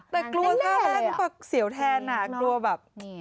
แต่กลัวถ้าแม่มันก็เสียวแทนน่ะกลัวแบบ